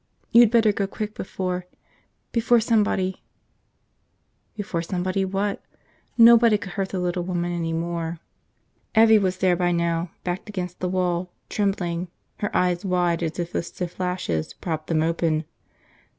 You'd better go quick before – before somebody ..." Before somebody what? Nothing could hurt the little woman any more. Evvie was there by now, backed against the wall, trembling, her eyes wide as if the stiff lashes propped them open.